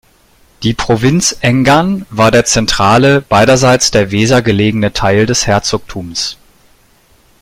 Die Provinz Engern war der zentrale, beiderseits der Weser gelegene Teil des Herzogtums.